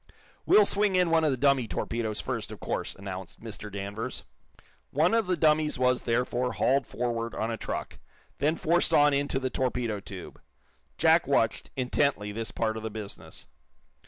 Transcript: "We'll swing in one of the dummy torpedoes, first, of course," announced Mr. Danvers. One of the dummies was, therefore, hauled forward on a truck, then forced on into the torpedo tube. Jack watched, intently, this part of the business.